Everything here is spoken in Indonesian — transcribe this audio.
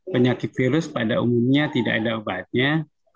penyakit virus pada umumnya tidak ada obatnya